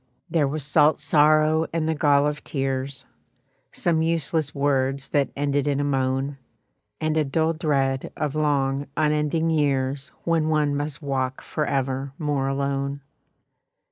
There was salt sorrow and the gall of tears, Some useless words that ended in a moan, And a dull dread of long unending years When one must walk forever more alone.